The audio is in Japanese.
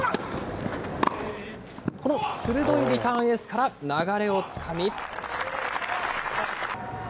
この鋭いリターンエースから流れをつかみ。